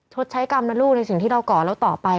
ชดใช้กรรมนะลูกในสิ่งที่เราก่อแล้วต่อไป